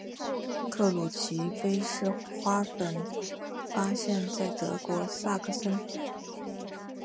克鲁奇菲氏花粉发现在德国萨克森。